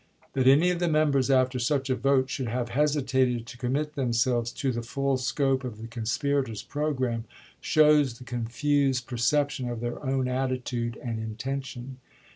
That any of the members after such a vote should have hesitated to commit themselves to the full scope of the conspirators' programme, shows the confused perception of their own attitude and intention.